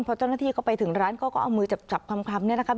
พอเจ้าหน้าที่เข้าไปถึงร้านเขาก็เอามือจับคำเนี่ยนะครับ